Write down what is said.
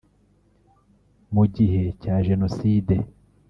Mu gihe cya Jenoside